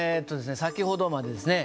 先ほどまでですね